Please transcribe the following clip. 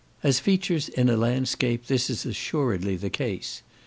As features in a landscape, this is assuredly the case.